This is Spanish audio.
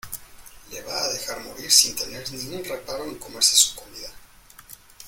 le va a dejar morir sin tener ni un reparo en comerse su comida.